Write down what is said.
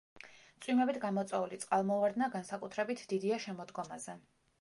წვიმებით გამოწვეული წყალმოვარდნა განსაკუთრებით დიდია შემოდგომაზე.